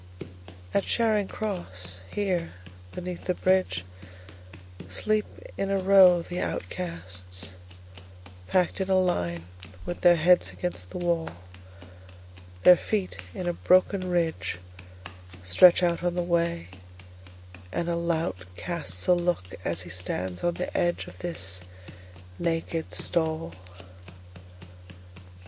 At Charing Cross, here, beneath the bridgeSleep in a row the outcasts, Packed in a line with their heads against the wall. Their feet, in a broken ridgeStretch out on the way, and a lout castsA look as he stands on the edge of this naked stall.